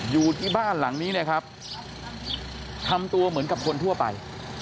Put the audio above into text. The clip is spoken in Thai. อยู่ที่บ้านหลังนี้เนี่ยครับทำตัวเหมือนกับคนทั่วไป